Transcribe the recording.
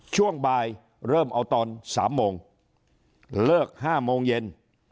ช่วงบ่ายเริ่มเอาตอน๓โมงเลิก๕โมงเย็น